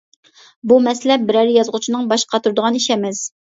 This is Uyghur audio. بۇ مەسىلە بىرەر يازغۇچىنىڭ باش قاتۇرىدىغان ئىشى ئەمەس.